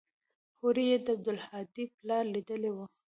هورې يې د عبدالهادي پلار ليدلى و.